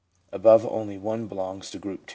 above, only one belongs to Group II.